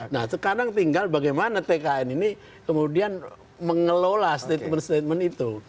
nah sekarang tinggal bagaimana tkn ini kemudian mengelola statement statement itu